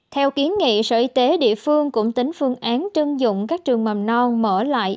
theo kiến nghị sở y tế địa phương cũng tính phương án chưng dụng các trường mầm non mở lại